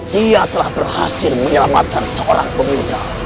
dia telah berhasil menyelamatkan seorang pemuda